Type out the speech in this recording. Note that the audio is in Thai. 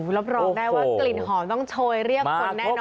รับรองได้ว่ากลิ่นหอมต้องโชยเรียกคนแน่นอน